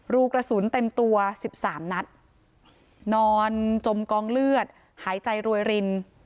รูกระสุนเต็มตัวสิบสามนัดนอนจมกองเลือดหายใจรวยริน